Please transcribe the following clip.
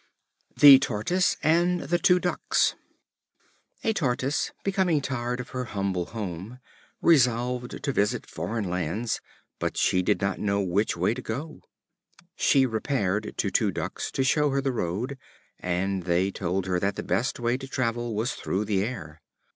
The Tortoise and the Two Ducks. A Tortoise, becoming tired of her humble home, resolved to visit foreign lands, but she did not know which way to go. She repaired to two Ducks to show her the road, and they told her that the best way to travel was through the air.